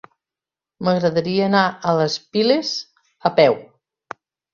M'agradaria anar a les Piles a peu.